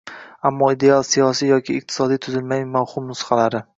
Ammo ideal siyosiy yoki iqtisodiy tuzilmaning mavhum nusxalari